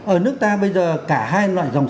ở nước ta bây giờ cả hai loại dòng